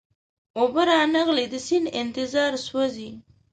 اوبه را نغلې د سیند انتظار سوزی